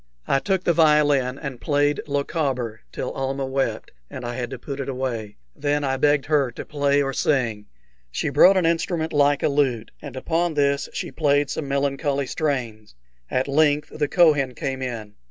I took the violin and played "Lochaber" till Almah wept, and I had to put it away. Then I begged her to play or sing. She brought an instrument like a lute, and upon this she played some melancholy strains. At length the Kohen came in.